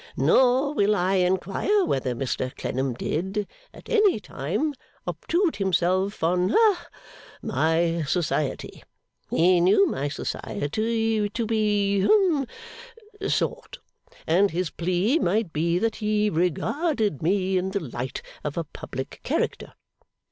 Nor will I inquire whether Mr Clennam did, at any time, obtrude himself on ha my society. He knew my society to be hum sought, and his plea might be that he regarded me in the light of a public character.